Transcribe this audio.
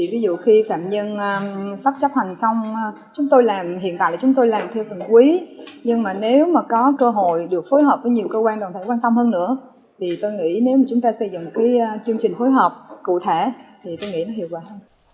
ví dụ khi phạm nhân sắp chấp hành xong chúng tôi làm hiện tại là chúng tôi làm theo từng quý nhưng mà nếu mà có cơ hội được phối hợp với nhiều cơ quan đoàn thể quan tâm hơn nữa thì tôi nghĩ nếu chúng ta xây dựng cái chương trình phối hợp cụ thể thì tôi nghĩ nó hiệu quả hơn